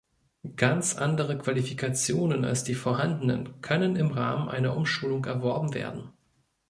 Ganz andere Qualifikationen als die vorhandenen können im Rahmen einer Umschulung erworben werden.